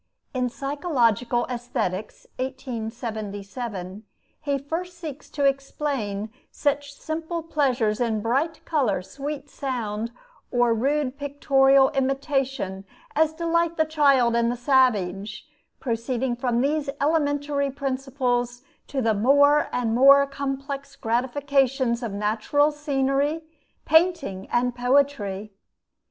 In 'Psychological Aesthetics' (1877), he first seeks to explain "such simple pleasures in bright color, sweet sound, or rude pictorial imitation as delight the child and the savage, proceeding from these elementary principles to the more and more complex gratifications of natural scenery, painting, and poetry."